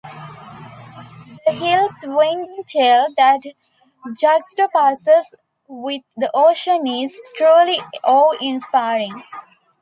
The hill's winding trail that juxtaposes with the ocean is truly awe-inspiring.